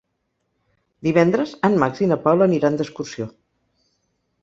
Divendres en Max i na Paula aniran d'excursió.